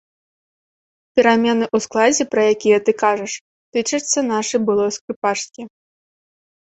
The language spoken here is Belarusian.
Перамены ў складзе, пра якія ты кажаш, тычацца нашай былой скрыпачкі.